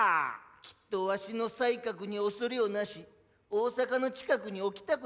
きっとわしの才覚に恐れをなし大坂の近くに置きたくなかったんじゃな。